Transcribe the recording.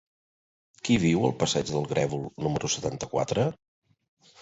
Qui viu al passeig del Grèvol número setanta-quatre?